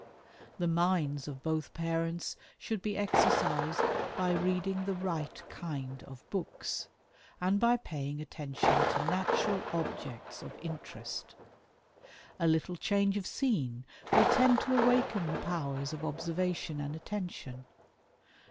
The minds of both parents should be exercised by reading the right kind of books, and by paying attention to natural objects of interest. A little change of scene will tend to awaken the powers of observation and attention.